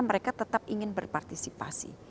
mereka tetap ingin berpartisipasi